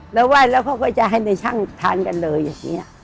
แล้วไหว้จะได้ในช่างทานกันเลยอย่างนี้